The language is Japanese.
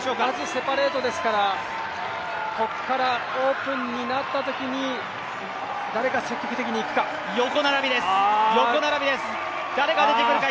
セパレートですからここからオープンになったときに誰か積極的に行くか。